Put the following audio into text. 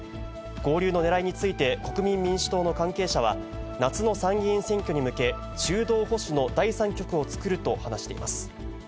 合流のねらいについて、国民民主党の関係者は、夏の参議院選挙に向け、中道保守の第三極を作ると話しています。